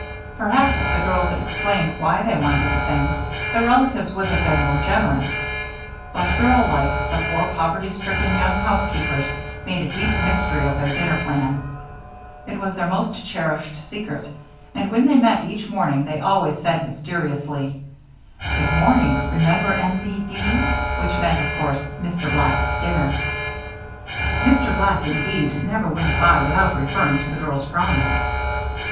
Perhaps if the girls had explained why they wanted the things, their relatives would have been more generous; but girllike, the four poverty stricken young housekeepers made a deep mystery of their dinner plan. It was their most cherished secret, and when they met each morning they always said, mysteriously, "Good morning remember M. B. D.," which meant, of course, "Mr. Black's Dinner." Mr. Black, indeed, never went by without referring to the girls' promise.